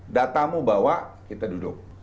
datamu bawa kita duduk